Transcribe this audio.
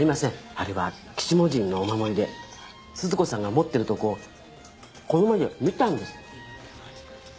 あれは鬼子母神のお守りで鈴子さんが持ってるとこをこの目で見たんです